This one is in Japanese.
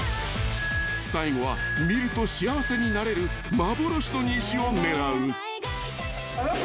［最後は見ると幸せになれる幻の虹を狙う］